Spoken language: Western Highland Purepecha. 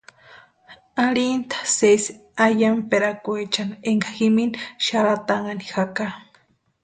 Arhintʼa sésï eyamperakweechani énka jimini xarhatanhani jaka.